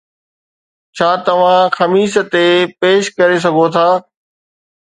ڇا توهان خميس تي پيش ڪري سگهو ٿا؟